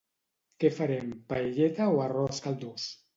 Què farem, paelleta o arròs caldós?